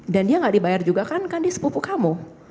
dan dia gak dibayar juga kan dia sepupu kamu